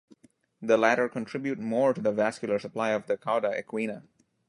The latter contribute more to the vascular supply of the cauda equina.